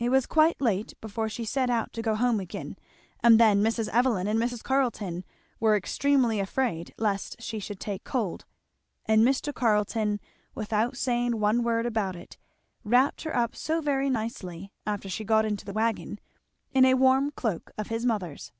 It was quite late before she set out to go home again; and then Mrs. Evelyn and Mrs. Carleton were extremely afraid lest she should take cold, and Mr. Carleton without saying one word about it wrapped her up so very nicely after she got into the wagon, in a warm cloak of his mother's.